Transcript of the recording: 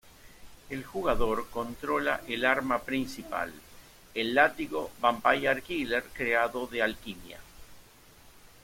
El jugador controla el arma principal, el látigo Vampire Killer creado de Alquimia.